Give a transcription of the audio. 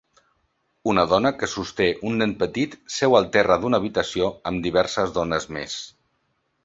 Una dona que sosté un nen petit seu al terra d'una habitació amb diverses dones més.